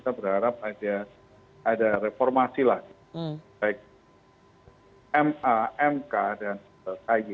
kita berharap ada reformasi lah baik ma mk dan kay